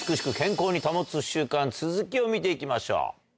続きを見ていきましょう。